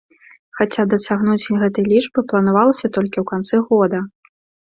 Хаця дасягнуць гэтай лічбы планавалася толькі ў канцы года.